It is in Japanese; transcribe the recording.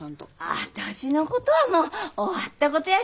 私のことはもう終わったことやし。